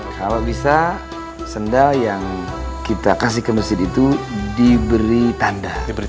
kalau bisa sendal yang kita kasih ke masjid itu diberi tanda